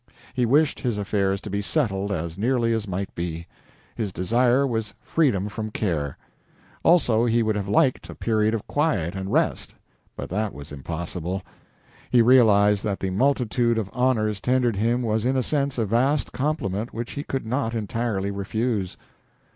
He wished his affairs to be settled as nearly as might be. His desire was freedom from care. Also he would have liked a period of quiet and rest, but that was impossible. He realized that the multitude of honors tendered him was in a sense a vast compliment which he could not entirely refuse.